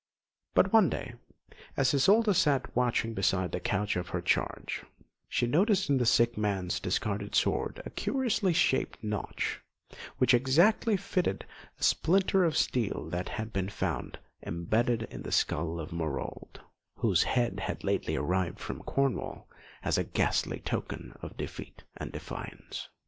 But one day, as Isolda sat watching beside the couch of her charge, she noticed in the sick man's discarded sword a curiously shaped notch, which exactly fitted a splinter of steel that had been found imbedded in the skull of Morold, whose head had lately arrived from Cornwall as a ghastly token of defeat and defiance.